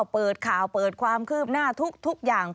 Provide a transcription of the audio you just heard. เปิดข่าวเปิดความคืบหน้าทุกอย่าง